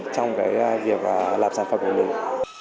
trong cái việc làm sản phẩm của mình